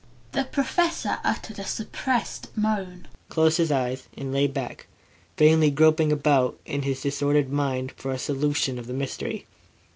The Professor uttered a suppressed moan, closed his eyes and lay back, vainly groping about in his disordered mind for a solution of the mystery.